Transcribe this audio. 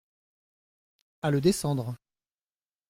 À le descendre.